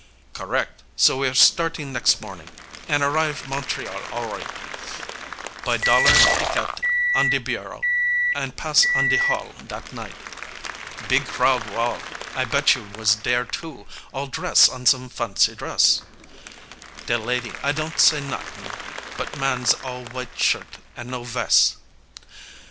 Correc' so we're startin' nex' morning, an' arrive Montreal all right, Buy dollar tiquette on de bureau, an' pass on de hall dat night. Beeg crowd, wall! I bet you was dere too, all dress on some fancy dress, De lady, I don't say not'ing, but man's all w'ite shirt an' no ves'.